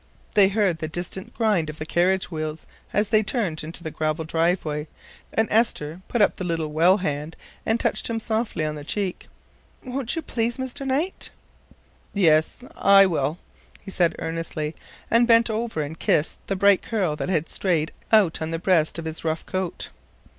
They heard the distant grind of the carriage wheels as they turned into the gravel driveway, and Esther put up the little well hand and touched him softly on the cheek. "Won't you please, Mr. Knight?" "Yes, I will," he said earnestly, and bent over and kissed the bright curl that had strayed out on the breast of his rough coat.